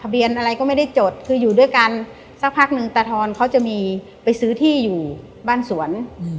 เวลาสักพักหนึ่งตฐอนเขาจะไปซื้อที่บ้านสวน